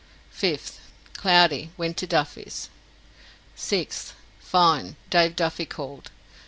5th. Cloudy. Wint to Duffys. 6th. Fine. Dave Duffy called.